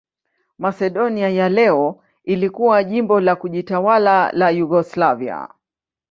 Masedonia ya leo ilikuwa jimbo la kujitawala la Yugoslavia.